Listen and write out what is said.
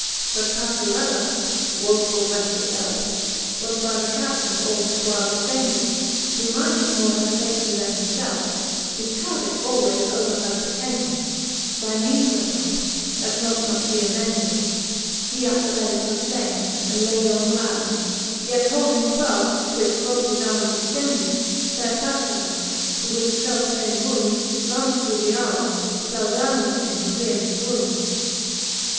But Paflorella, wofuU wretched elfe, Was by the Captaine all this while defended, Who minding more her fafety then himfelfe, His target alwayes over her pretended ; By meanes whereof, that mote not be amended, He at the length was flaine, and layd on ground, Yet holding faft twixt both his armes extended Fayre Pajiorell^ who with the felfe fame wound Launcht through the arme, fell down with him in drerie fwound.